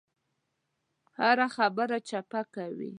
هره خبره چپه کوي.